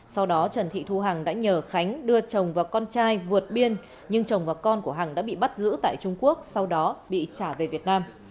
sau đó trần thị thu hằng đã nhờ khánh đưa chồng và con trai vượt biên nhưng chồng và con của hằng đã bị bắt giữ tại trung quốc sau đó bị trả về việt nam